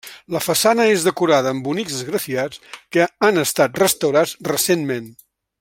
La façana és decorada amb bonics esgrafiats que han estat restaurats recentment.